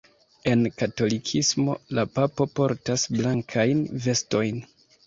En katolikismo la Papo portas blankajn vestojn.